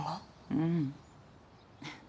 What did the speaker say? うん。